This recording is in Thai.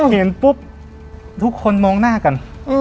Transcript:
เห็นปุ๊บทุกคนมองหน้ากัน